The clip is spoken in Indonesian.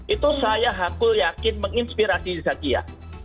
itu saya hakul yakin menginspirasi zakia